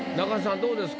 どうですか？